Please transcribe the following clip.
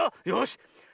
よし。